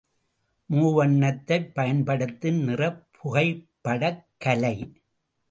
மூவண்ணத்தைப் பயன்படுத்தும் நிறப் புகைப்படக்கலை.